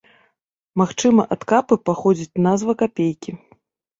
Магчыма ад капы паходзіць назва капейкі.